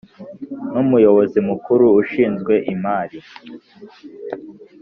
N umuyobozi mukuru ushinzwe imari